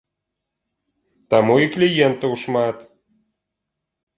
Таму і кліентаў шмат.